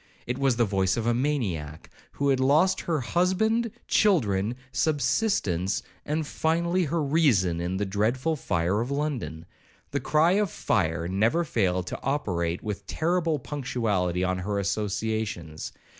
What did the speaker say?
It was the voice of a maniac, who had lost her husband, children, subsistence, and finally her reason, in the dreadful fire of London. The cry of fire never failed to operate with terrible punctuality on her associations.